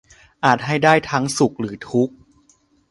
อาจให้ได้ทั้งสุขหรือทุกข์